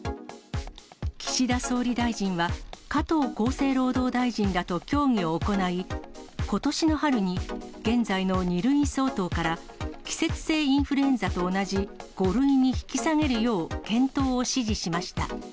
岸田総理大臣は、加藤厚生労働大臣らと協議を行い、ことしの春に現在の２類相当から、季節性インフルエンザと同じ５類に引き下げるよう検討を指示しました。